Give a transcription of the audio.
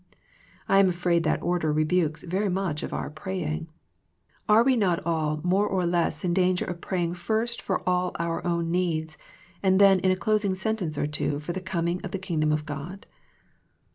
I am afraid that order rebukes very much of our pray ing. Are we not all more or less in danger of praying first for all our own needs, and then in a closing sentence or two for the coming of the Kingdom of God